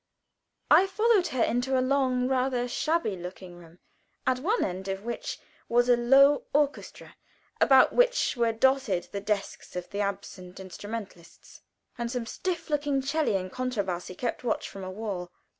I followed her into a long, rather shabby looking room, at one end of which was a low orchestra, about which were dotted the desks of the absent instrumentalists, and some stiff looking Celli and Contrabassi kept watch from a wall.